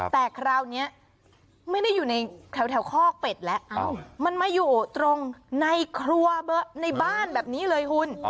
แต่คราวนี้ไม่ได้อยู่ในแถวคอกเป็ดแล้วมันมาอยู่ตรงในครัวในบ้านแบบนี้เลยคุณ